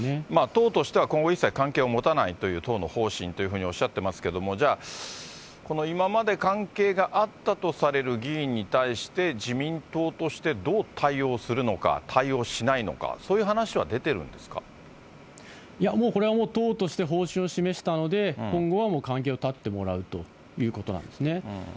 党としては今後一切関係を持たないという党の方針というふうにおっしゃってますけれども、じゃあ、この今まで関係があったとされる議員に対して、自民党としてどう対応するのか、対応しないのか、いや、もうこれは党として方針を示したので、今後はもう関係を断ってもらうということなんですね。